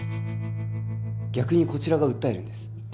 逆にこちらが訴えるんです